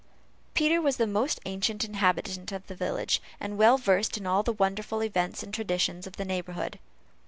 Peter was the most ancient inhabitant of the village, and well versed in all the wonderful events and traditions of the neighborhood.